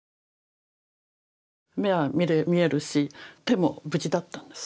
目は見えるし手も無事だったんです。